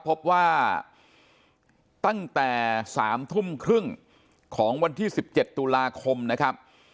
พบว่าตั้งแต่๓ทุ่มครึ่งของวันที่๑๗ตุลาคมนะครับ